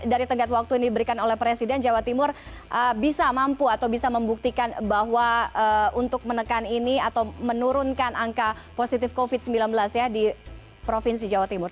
jadi tenggat waktu yang diberikan oleh presiden jawa timur bisa mampu atau bisa membuktikan bahwa untuk menekan ini atau menurunkan angka positif covid sembilan belas ya di provinsi jawa timur